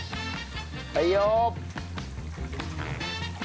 はいよ！